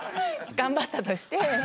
頑張ったとして。